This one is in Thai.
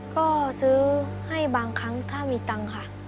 ก็ซื้อให้บางครั้งถ้ามีตังค์ค่ะ